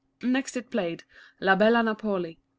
Next it played " La Bella Napoii."